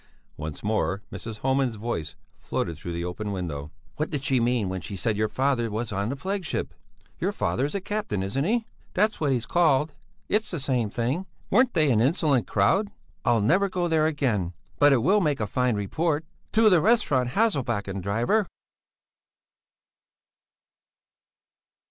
Once more Mrs. Homan's voice floated through the open window: "What did she mean when she said your father was on the flagship? Your father is a captain, isn't he?" "That's what he's called. It's the same thing. Weren't they an insolent crowd? I'll never go there again. But it will make a fine report. To the restaurant Hasselbacken, driver!"